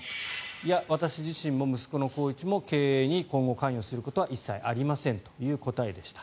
いや、私自身も息子の宏一も経営に今後、関与することは一切ありませんという答えでした。